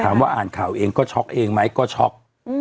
ถามว่าอ่านข่าวเองก็ช็อกเองไหมก็ช็อก